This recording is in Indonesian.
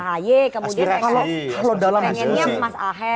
karena kan ini demokrat pengennya mas ahe